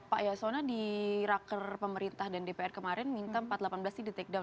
pak yasona di raker pemerintah dan dpr kemarin minta empat delapan belas ini di take down